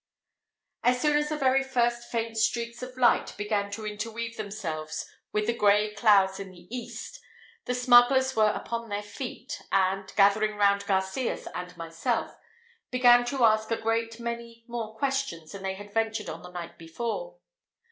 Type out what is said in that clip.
As soon as the very first faint streaks of light began to interweave themselves with the grey clouds in the east, the smugglers were upon their feet, and, gathering round Garcias and myself, began to ask a great many more questions than they had ventured on the night before.